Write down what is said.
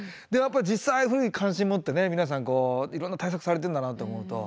実際ああいうふうに関心持ってね皆さんこういろんな対策されてんだなと思うと。